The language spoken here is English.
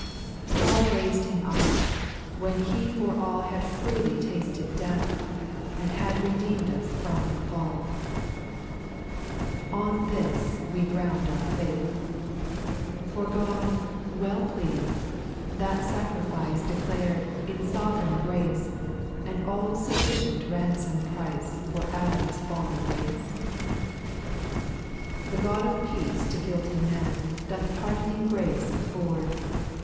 SPIRITUAL SONGS. l*?* 3. God raised Him up, when He for all Had freely tasted death, And had redeemed us from the fall ; On this we ground our faith : For God, well pleased, that sacrifice Declared, in sovereign grace, And all sufficient ransom price For Adam's fallen race. 4. The God of peace to guilty man Doth pardoning grace afford.